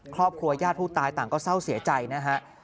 ครอบครัวญาติผู้ตายต่างก็เศร้าเสียใจนะฮะ